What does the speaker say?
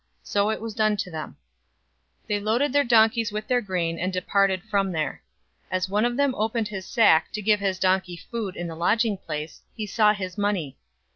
So it was done to them. 042:026 They loaded their donkeys with their grain, and departed from there. 042:027 As one of them opened his sack to give his donkey food in the lodging place, he saw his money.